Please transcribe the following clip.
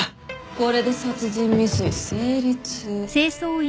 これで殺人未遂成立。